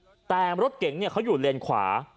แต่รถเก๋งเนี่ยเขาอยู่เลนขวา